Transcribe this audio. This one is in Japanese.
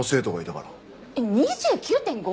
えっ２９．５！？